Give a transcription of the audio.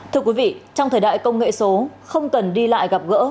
thưa quý vị trong thời đại công nghệ số không cần đi lại gặp gỡ